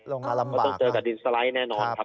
ลงมาลำบากต้องเจอกับดินสไลด์แน่นอนครับ